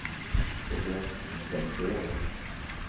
Telliḍ tettḍebbireḍ.